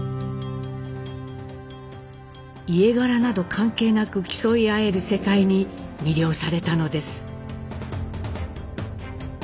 家柄など関係なく競い合える世界に魅了されたのです。